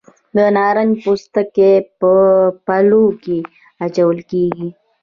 د نارنج پوستکي په پلو کې اچول کیږي.